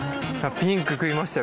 ピンク食いましたよ